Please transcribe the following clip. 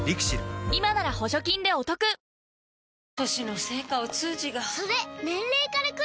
今なら補助金でお得わぁ！